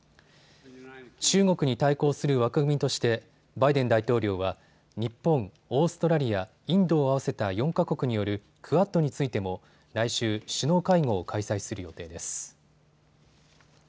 中国に対抗する枠組みとしてバイデン大統領は日本、オーストラリア、インドを合わせた４か国によるクアッドについても来週、首脳会合を開催する予定です。